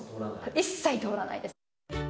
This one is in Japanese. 一切通らないです。